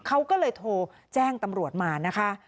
เขาก็เลยโทรแจ้งตำรวจมานะคะ